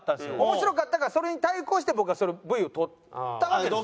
面白かったからそれに対抗して僕がそれＶを撮ったわけですよ。